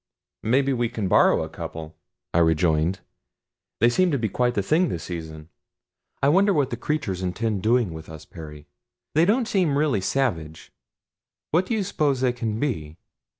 "Maybe we can borrow a couple," I rejoined. "They seem to be quite the thing this season. I wonder what the creatures intend doing with us, Perry. They don't seem really savage. What do you suppose they can be?